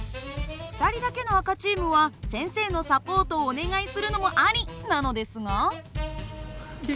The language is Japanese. ２人だけの赤チームは先生のサポートをお願いするのもありなのですが。